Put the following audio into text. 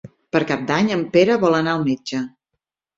Per Cap d'Any en Pere vol anar al metge.